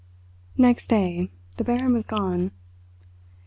Next day the Baron was gone.